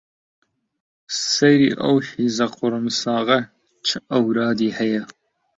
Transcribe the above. سەیری ئەو حیزە قوڕمساغە چ ئەورادی هەیە